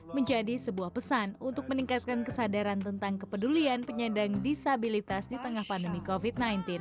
menjadi sebuah pesan untuk meningkatkan kesadaran tentang kepedulian penyandang disabilitas di tengah pandemi covid sembilan belas